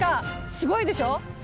すごいでしょ！